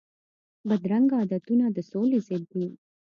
بدرنګه عادتونه د سولي ضد دي